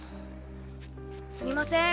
すみません